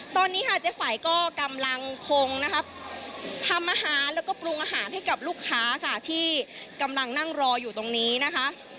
ตอนนี้ค่ะเจ๊ไฝก็กำลังคงนะครับทำอาหารแล้วก็ปรุงอาหารให้กับลูกค้าค่ะที่กำลังนั่งรออยู่ตรงนี้นะคะ